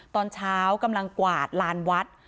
ตอนเช้ากำลังกวาดลานวัด